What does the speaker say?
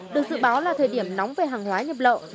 được dự báo là thời điểm nóng về hàng hóa nhập lậu